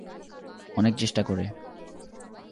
অনেক চেষ্টা করে।